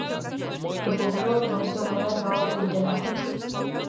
Propugnou a dimensión moral na obra literaria.